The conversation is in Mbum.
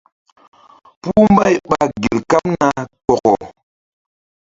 Puh mbay ɓa gel kaɓ na kɔkɔ.